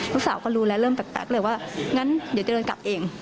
ลูกสาวก็รู้แล้วเริ่มแปลกเลยว่างั้นเดี๋ยวจะเดินกลับเอง